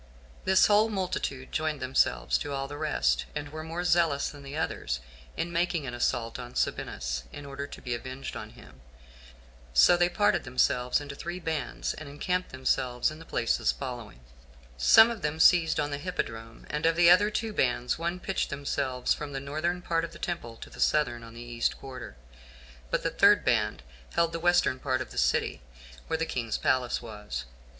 This whole multitude joined themselves to all the rest, and were more zealous than the others in making an assault on Sabinus, in order to be avenged on him; so they parted themselves into three bands, and encamped themselves in the places following:some of them seized on the hippodrome and of the other two bands, one pitched themselves from the northern part of the temple to the southern, on the east quarter; but the third band held the western part of the city, where the king's palace was.